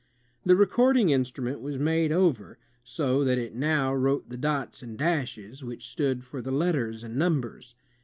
The recording instnmient was made over, so that it now wrote the dots and dashes which stood for the letters and numbers.